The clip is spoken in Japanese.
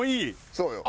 そうよ。